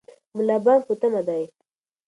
ملا بانګ په تمه دی.